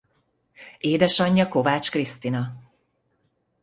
Édesanyja Kovács Krisztina.